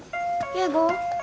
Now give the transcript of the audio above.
圭吾！